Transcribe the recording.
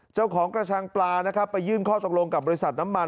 เจ้าของกระชังปลานะครับไปยื่นข้อตกลงกับบริษัทน้ำมัน